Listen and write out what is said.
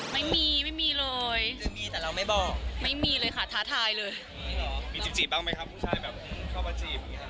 ไม่มีไม่มีเลยแต่เราไม่บอกไม่มีเลยค่ะท้าทายเลยมีจิบจีบบ้างไหมครับผู้ชายแบบเข้ามาจีบ